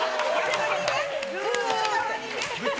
内側にね。